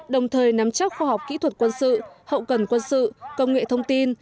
đồng thời nắm chắc khoa học kỹ thuật quân sự hậu cần quân sự công nghệ thông tin